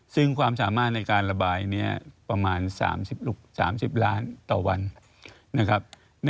ซึ่งความสามารถในการระบายนี้ประมาณ๓๐ล้านต่อวันนะครับ